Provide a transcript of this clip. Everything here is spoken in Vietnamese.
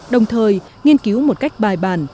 đồng thời nghiên cứu một cách bài bản